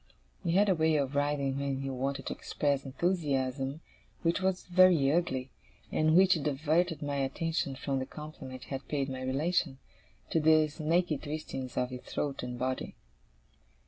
He had a way of writhing when he wanted to express enthusiasm, which was very ugly; and which diverted my attention from the compliment he had paid my relation, to the snaky twistings of his throat and body.